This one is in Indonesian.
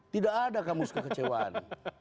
tidak ada kamus kekecewaan